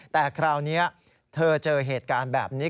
แต่คราวนี้เธอเจอเหตุการณ์แบบนี้